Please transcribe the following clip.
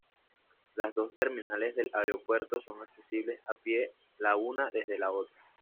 Las dos terminales del aeropuerto son accesibles a pie la una desde la otra.